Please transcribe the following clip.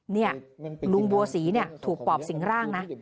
นี่ลุงบัวศรีถูกปอบสิงร่างนะ